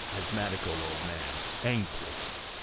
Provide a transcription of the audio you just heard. Astidiatical Old Man (angrily).